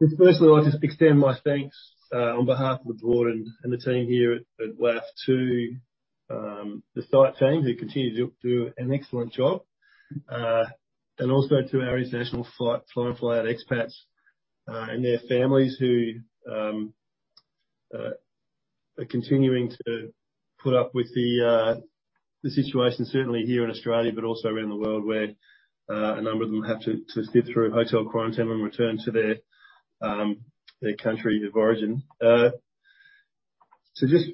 Firstly, I'd like to extend my thanks on behalf of the board and the team here at WAF to the site team, who continue to do an excellent job, and also to our international fly-in fly-out expats and their families, who are continuing to put up with the situation, certainly here in Australia, but also around the world, where a number of them have to sit through hotel quarantine when returning to their country of origin.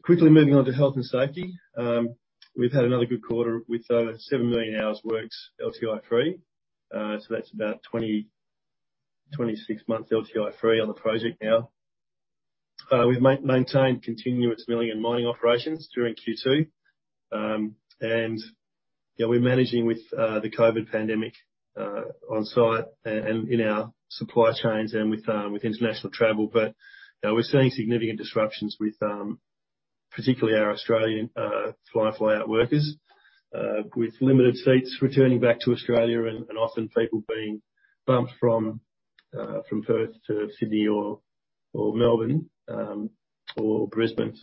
Quickly moving on to health and safety. We've had another good quarter with 7 million hours works, LTI free. That's about 26 months LTI free on the project now. We've maintained continuous milling and mining operations during Q2. We're managing with the COVID pandemic on-site and in our supply chains and with international travel. We're seeing significant disruptions with particularly our Australian fly-in fly-out workers, with limited seats returning back to Australia and often people being bumped from Perth to Sydney or Melbourne or Brisbane.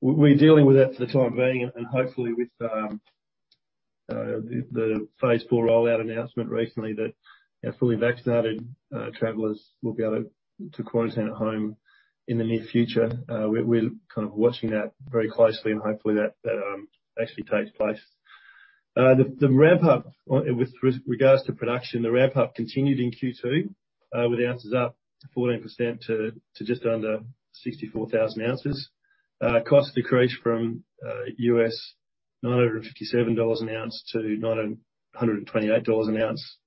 We're dealing with that for the time being and hopefully with the phase IV rollout announcement recently, that fully vaccinated travelers will be able to quarantine at home in the near future. We're kind of watching that very closely and hopefully that actually takes place. With regards to production, the ramp-up continued in Q2, with ounces up 14% to just under 64,000 ounces. Cost decreased from US $957 an ounce to $928 an ounce.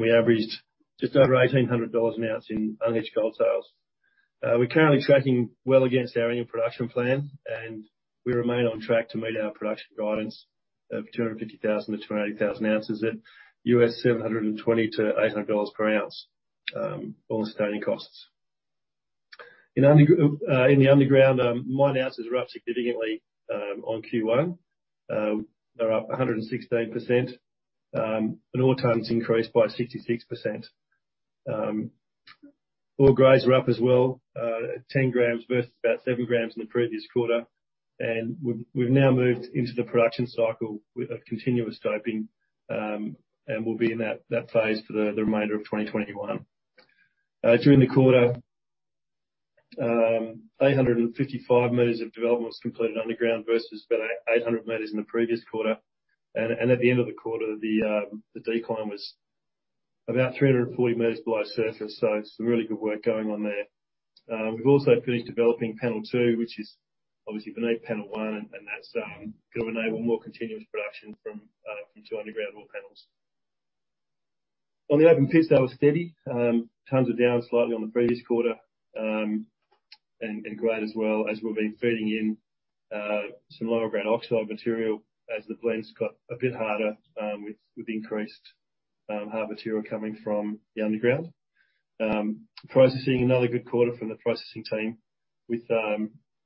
We averaged just over 1,800 dollars an ounce in unhedged gold sales. We're currently tracking well against our annual production plan, we remain on track to meet our production guidance of 250,000 to 280,000 ounces at $720-$800 per ounce, all sustaining costs. In the underground, mined ounces are up significantly on Q1. They're up 116%. Ore tonnes increased by 66%. Ore grades are up as well, at 10 grams versus about 7 grams in the previous quarter. We've now moved into the production cycle of continuous stoping, and we'll be in that phase for the remainder of 2021. During the quarter, 855 meters of development was completed underground versus about 800 meters in the previous quarter. At the end of the quarter, the decline was about 340 meters below surface. It's some really good work going on there. We've also finished developing panel 2, which is obviously beneath panel 1, and that's going to enable more continuous production from two underground ore panels. On the open pit, they were steady. Tonnes were down slightly on the previous quarter, and grade as well, as we've been feeding in some lower-grade oxide material as the blends got a bit harder with increased hard material coming from the underground. Processing, another good quarter from the processing team with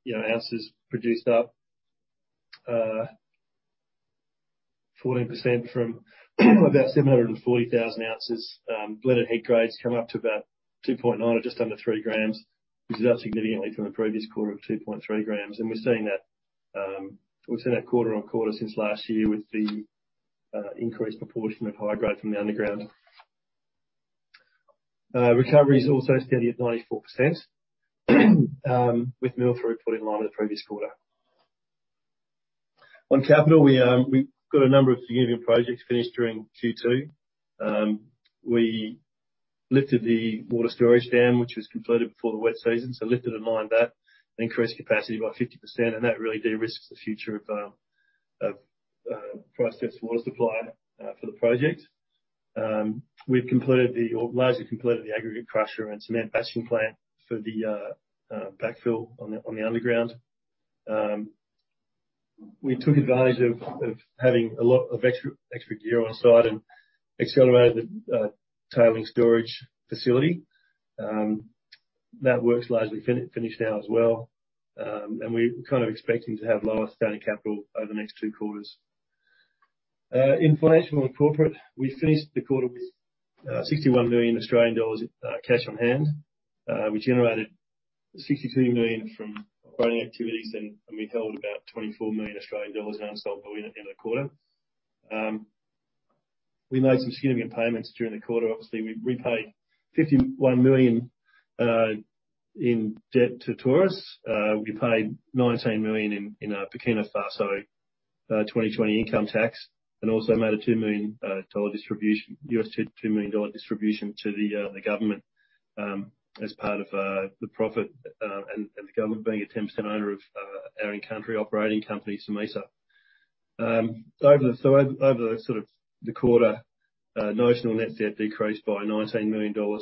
ounces produced up 14% from about 74,000 ounces. Blended head grades come up to about 2.9 or just under 3 grams, which is up significantly from the previous quarter of 2.3 grams. We're seeing that quarter-on-quarter since last year with the increased proportion of high grade from the underground. Recovery is also steady at 94% with mill throughput in line with the previous quarter. On capital, we got a number of significant projects finished during Q2. We lifted the water storage dam, which was completed before the wet season. Lifted and mined that, increased capacity by 50%, and that really de-risks the future of process water supply for the project. We've largely completed the aggregate crusher and cement batching plant for the backfill on the underground. We took advantage of having a lot of extra gear on-site and accelerated the tailings storage facility. That work's largely finished now as well. We're kind of expecting to have lower standing capital over the next two quarters. In financial and corporate, we finished the quarter with 61 million Australian dollars cash on hand. We generated 62 million from operating activities, we held about 24 million Australian dollars in unspent budget at the end of the quarter. We made some significant payments during the quarter. Obviously, we paid 51 million in debt to Taurus. We paid 19 million in Burkina Faso 2020 income tax and also made a $2 million distribution to the government as part of the profit and the government being a 10% owner of our in-country operating company, SOMISA. Over the sort of the quarter, notional net debt decreased by AUD 19 million to AUD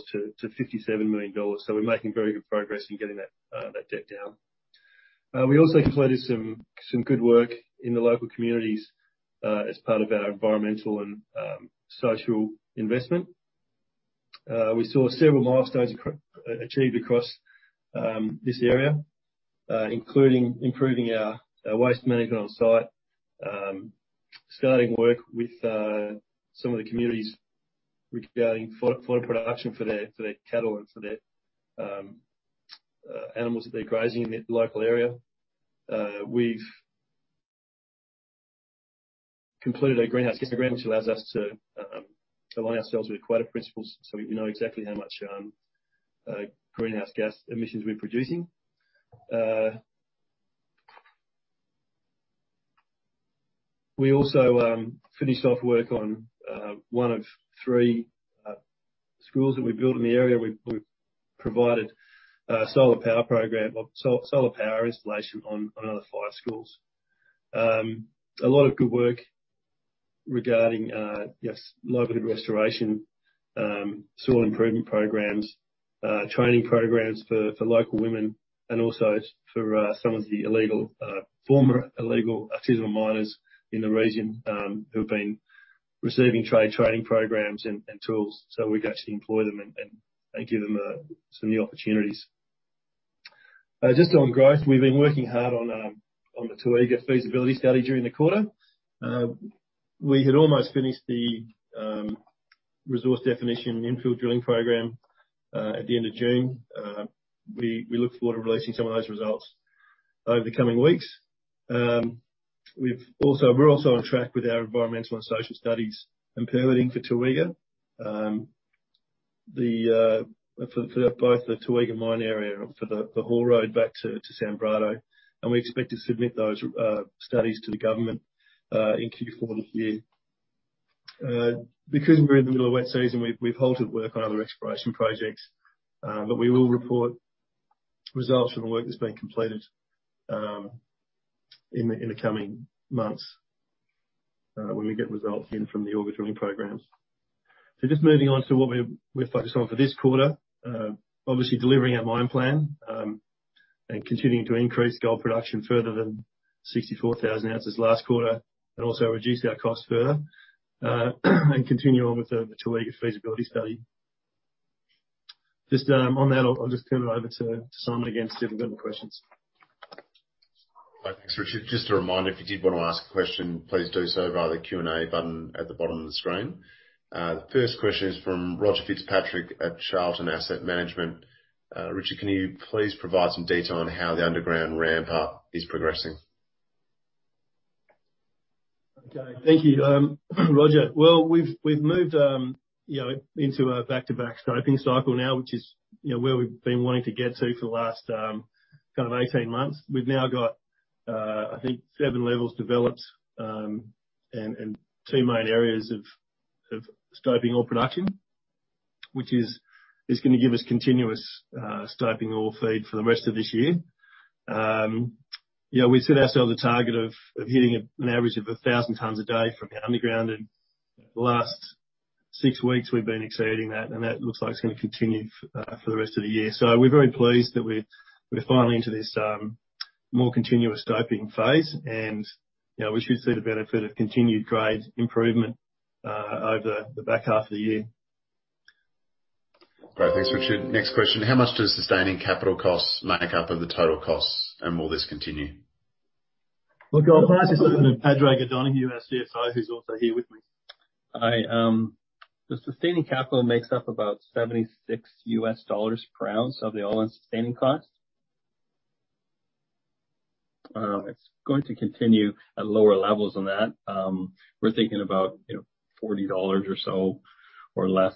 57 million. We're making very good progress in getting that debt down. We also completed some good work in the local communities as part of our environmental and social investment. We saw several milestones achieved across this area, including improving our waste management on-site. Starting work with some of the communities regarding fodder production for their cattle and for their animals that they're grazing in the local area. We've completed a greenhouse gas program, which allows us to align ourselves with Equator Principles, so we know exactly how much greenhouse gas emissions we're producing. We also finished off work on one of three schools that we built in the area. We provided a solar power program or solar power installation on another five schools. A lot of good work regarding local restoration, soil improvement programs, training programs for local women and also for some of the former illegal artisanal miners in the region who have been receiving trade training programs and tools. We can actually employ them and give them some new opportunities. Just on growth, we've been working hard on the Toega feasibility study during the quarter. We had almost finished the resource definition infill drilling program at the end of June. We look forward to releasing some of those results over the coming weeks. We're also on track with our environmental and social studies and permitting for Toega. For both the Toega mine area and for the haul road back to Sanbrado, we expect to submit those studies to the government in Q4 this year. We're in the middle of wet season, we've halted work on other exploration projects. We will report results from the work that's been completed in the coming months when we get results in from the auger drilling programs. Just moving on to what we're focused on for this quarter. Obviously delivering our mine plan and continuing to increase gold production further than 64,000 ounces last quarter, and also reduce our costs further, and continue on with the Toega feasibility study. Just on that, I'll just turn it over to Simon again to see if we've got any questions. Thanks, Richard. Just a reminder, if you did want to ask a question, please do so via the Q&A button at the bottom of the screen. The first question is from Roger Fitzpatrick at Charlton Asset Management. Richard, can you please provide some detail on how the underground ramp up is progressing? Okay. Thank you, Roger. Well, we've moved into a back-to-back stoping cycle now, which is where we've been wanting to get to for the last kind of 18 months. We've now got I think seven levels developed and two main areas of stoping ore production, which is going to give us continuous stoping ore feed for the rest of this year. We set ourselves a target of hitting an average of 1,000 tonnes a day from our underground, and the last six weeks we've been exceeding that, and that looks like it's going to continue for the rest of the year. We're very pleased that we're finally into this more continuous stoping phase, and we should see the benefit of continued grade improvement over the back half of the year. Great. Thanks, Richard. Next question. How much does sustaining capital costs make up of the total costs, and will this continue? Look, I'll pass this one to Padraig O'Donoghue, our CFO, who's also here with me. The sustaining capital makes up about $76 per ounce of the all-in sustaining cost. It's going to continue at lower levels than that. We're thinking about $40 or so or less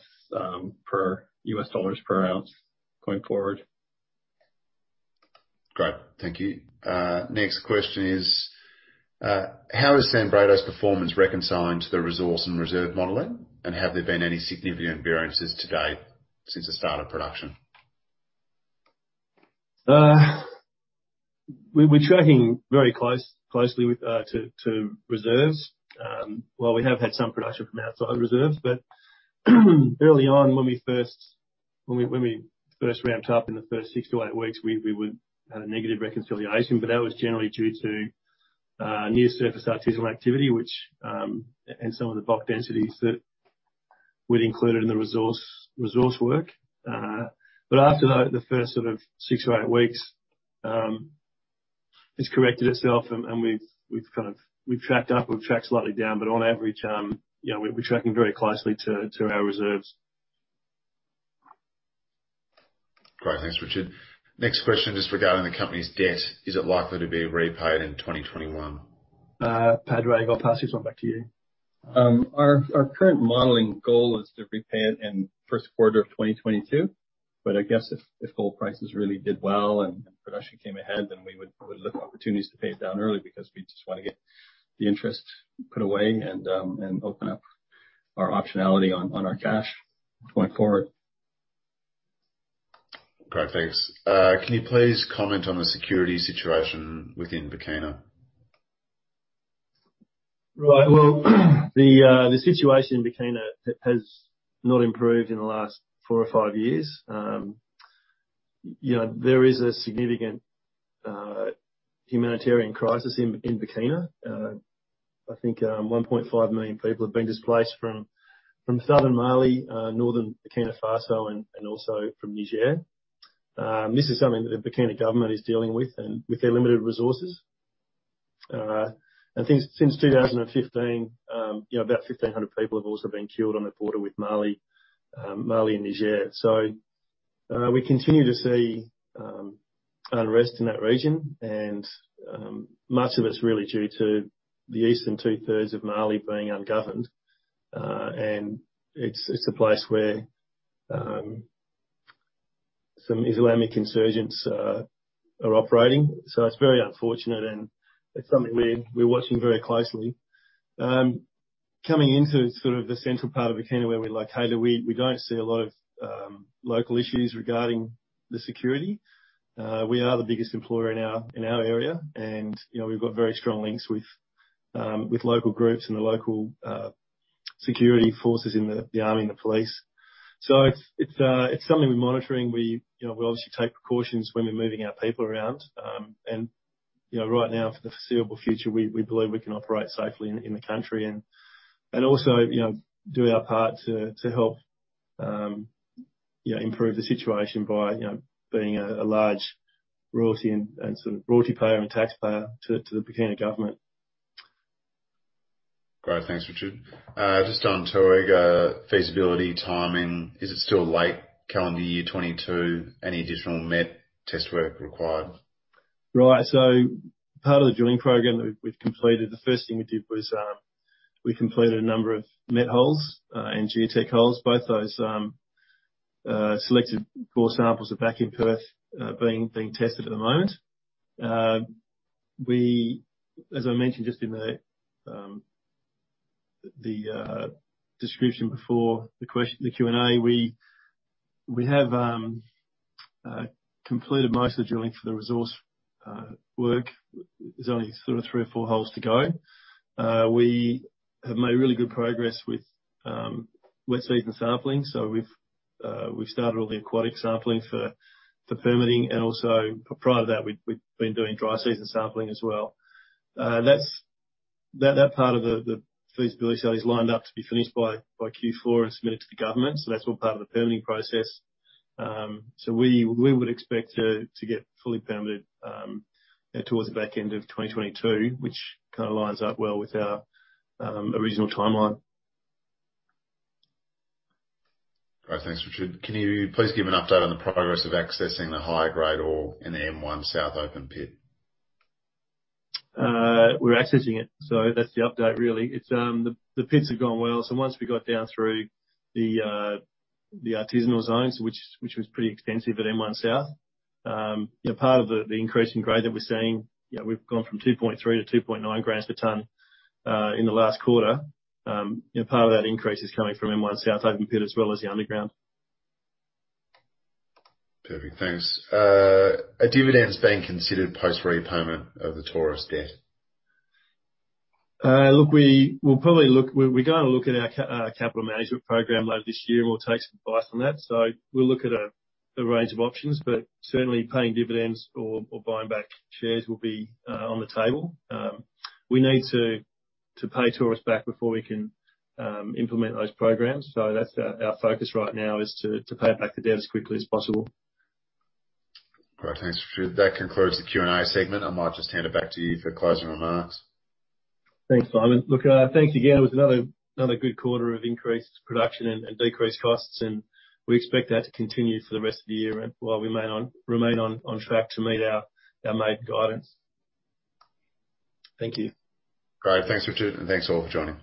per US dollars per ounce going forward. Great, thank you. Next question is, how is Sanbrado's performance reconciled to the resource and reserve modeling, and have there been any significant variances to date since the start of production? We're tracking very closely to reserves. While we have had some production from outside reserves, but early on when we first ramped up in the first six to eight weeks, we would have a negative reconciliation, but that was generally due to near-surface artisanal activity, and some of the block densities that we'd included in the resource work. After the first sort of six or eight weeks it's corrected itself and we've tracked up, we've tracked slightly down, but on average we're tracking very closely to our reserves. Great, thanks, Richard. Next question is regarding the company's debt. Is it likely to be repaid in 2021? Padraig, I'll pass this one back to you. Our current modeling goal is to repay it in Q1 of 2022. I guess if gold prices really did well and production came ahead, then we would look at opportunities to pay it down early because we just want to get the interest put away and open up our optionality on our cash going forward. Great, thanks. Can you please comment on the security situation within Burkina? Right. Well, the situation in Burkina has not improved in the last four or five years. There is a significant humanitarian crisis in Burkina. I think 1.5 million people have been displaced from southern Mali, northern Burkina Faso, and also from Niger. This is something that the Burkina government is dealing with, and with their limited resources. I think since 2015, about 1,500 people have also been killed on the border with Mali and Niger. We continue to see unrest in that region and much of it is really due to the eastern two-thirds of Mali being ungoverned. It's a place where some Islamic insurgents are operating. It's very unfortunate and it's something we're watching very closely. Coming into sort of the central part of Burkina where we're located, we don't see a lot of local issues regarding the security. We are the biggest employer in our area, and we've got very strong links with local groups and the local security forces in the army and the police. It's something we're monitoring. We obviously take precautions when we're moving our people around. Right now for the foreseeable future, we believe we can operate safely in the country and also do our part to help improve the situation by being a large royalty and sort of royalty payer and taxpayer to the Burkina government. Great. Thanks, Richard. Just on Toega, feasibility, timing, is it still late calendar year 2022? Any additional met test work required? Right. Part of the drilling program that we've completed, the first thing we did was we completed a number of metallurgical holes and geotechnical holes. Both those selected core samples are back in Perth being tested at the moment. As I mentioned, just in the description before the Q&A, we have completed most of the drilling for the resource work. There's only sort of three or four holes to go. We have made really good progress with wet season sampling. We've started all the aquatic sampling for permitting. Also prior to that, we've been doing dry season sampling as well. That part of the feasibility study is lined up to be finished by Q4 and submitted to the government. That's all part of the permitting process. We would expect to get fully permitted towards the back end of 2022, which kind of lines up well with our original timeline. All right. Thanks, Richard. Can you please give an update on the progress of accessing the high-grade ore in the M1 South open pit? We're accessing it. That's the update really. The pits have gone well. Once we got down through the artisanal zones, which was pretty extensive at M1 South, part of the increase in grade that we're seeing, we've gone from 2.3 to 2.9 grams per tonne, in the last quarter. Part of that increase is coming from M1 South open pit as well as the underground. Perfect. Thanks. Are dividends being considered post repayment of the Taurus debt? Look, we're going to look at our capital management program later this year and we'll take some advice on that. We'll look at a range of options. Certainly, paying dividends or buying back shares will be on the table. We need to pay Taurus back before we can implement those programs. That's our focus right now is to pay back the debt as quickly as possible. Great. Thanks, Richard. That concludes the Q&A segment. I might just hand it back to you for closing remarks. Thanks, Simon. Look, thanks again. It was another good quarter of increased production and decreased costs, and we expect that to continue for the rest of the year, and while we remain on track to meet our guidance. Thank you. Great. Thanks, Richard, and thanks all for joining.